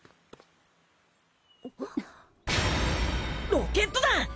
ロケット団！